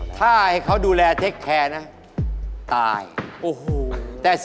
ถ้าให้เขาดูแล